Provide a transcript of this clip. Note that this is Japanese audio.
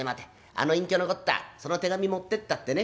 あの隠居のこったその手紙持ってったってね